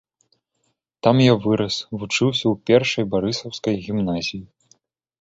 Там я вырас, вучыўся ў першай барысаўскай гімназіі.